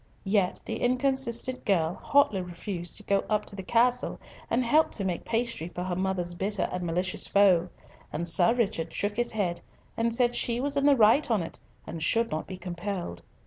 Yet the inconsistent girl hotly refused to go up to the castle and help to make pastry for her mother's bitter and malicious foe, and Sir Richard shook his head and said she was in the right on't, and should not be compelled.